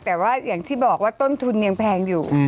แต่ว่าอย่างที่บอกว่าต้นทุนยังแพงอยู่